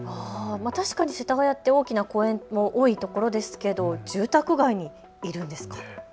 確かに世田谷って大きな公園も多い所ですけど住宅街にいるんですか。